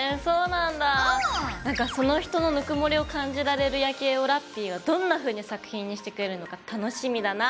なんかその人のぬくもりを感じられる夜景をラッピィがどんなふうに作品にしてくれるのか楽しみだな！